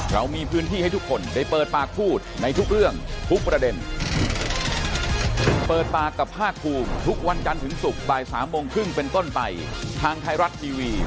สวัสดีวันนี้เปิดปากับภาคภูมิหมดเวลานะครับ